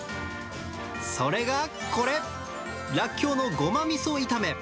それがこれ、らっきょうのごまみそ炒め。